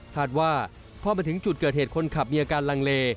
ว่าพอมาถึงจุดเกิดเหตุคนขับมีอาการลังเล